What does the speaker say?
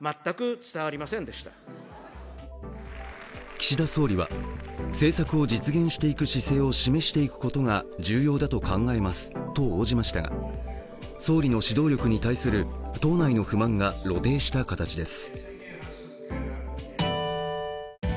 岸田総理は、制作を実現していく姿勢を示していくことが重要だと考えますと応じましたが総理の指導力に対する党内の不満が露呈した形です。